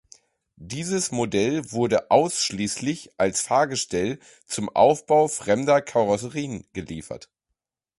Dieses Modell wurde ausschließlich als Fahrgestell zum Aufbau fremder Karosserien geliefert.